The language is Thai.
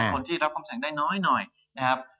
คนที่รับความเสี่ยงได้น้อยนะครับ